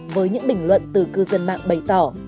với những bình luận từ cư dân mạng bày tỏ